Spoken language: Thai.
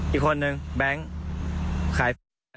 อีกคนนึงแบงค์ขายแฟน